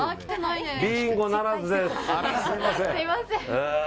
ビンゴならずです。